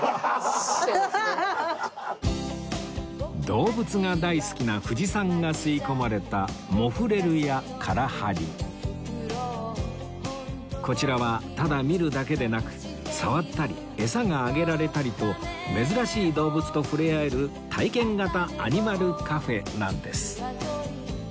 動物が大好きな藤さんが吸い込まれたこちらはただ見るだけでなく触ったりエサがあげられたりと珍しい動物と触れ合える体験型アニマルカフェなんです